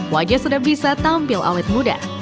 wajah sudah bisa tampil awet muda